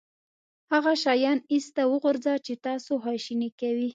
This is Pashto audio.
هغه شیان ایسته وغورځوه چې تاسو خواشینی کوي.